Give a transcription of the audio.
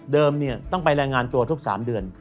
ต้องไปรายงานตัวทุก๓เดือน